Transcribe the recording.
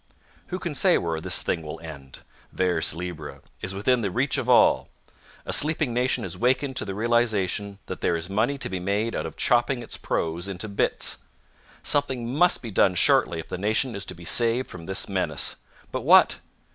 Who can say where this thing will end? Vers libre is within the reach of all. A sleeping nation has wakened to the realization that there is money to be made out of chopping its prose into bits. Something must be done shortly if the nation is to be saved from this menace. But what?